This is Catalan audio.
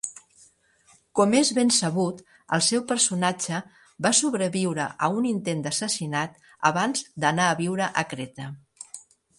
Com es ben sabut, el seu personatge va sobreviure a un intent d'assassinat abans d'anar a viure a Creta.